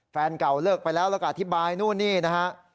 แฟนเก่าเลิกไปแล้วแล้วก็อธิบายนู่นนี่นะฮะ